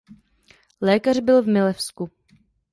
Lékař byl v Milevsku.